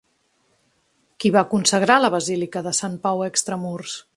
Qui va consagrar la basílica de Sant Pau Extramurs?